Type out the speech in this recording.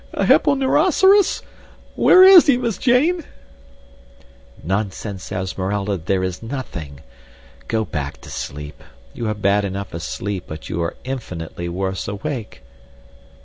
A hipponocerous? Where is he, Miss Jane?" "Nonsense, Esmeralda, there is nothing. Go back to sleep. You are bad enough asleep, but you are infinitely worse awake."